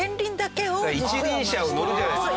一輪車乗るじゃないですか。